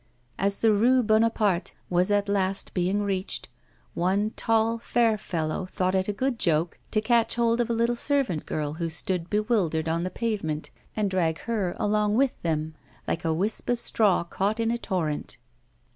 As the Rue Bonaparte was, at last, being reached, one tall, fair fellow thought it a good joke to catch hold of a little servant girl who stood bewildered on the pavement, and drag her along with them, like a wisp of straw caught in a torrent.